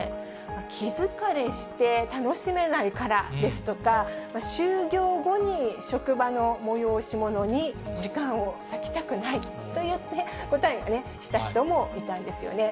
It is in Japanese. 気疲れして楽しめないからですとか、終業後に職場の催し物に時間を割きたくないといった答えをした人もいたんですよね。